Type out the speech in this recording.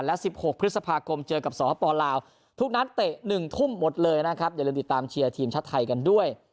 แล้วก็เวลาช่วง